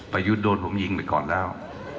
ไปยุดโดนผมยิงไปก่อนแล้ว